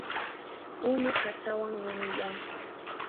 Unu qasawan rumiyan.